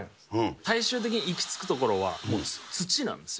最終的に行き着くところは土なんですよ。